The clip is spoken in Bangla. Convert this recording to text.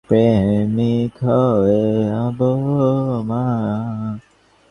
তবু, শশীর মনকে কে বাধিয়া রাখিবে?